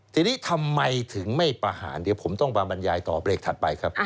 ทีนี้ทำไมถึงไม่ประหารเดี๋ยวผมต้องมาบรรยายต่อเบรกถัดไปครับ